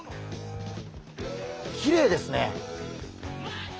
きれいですね。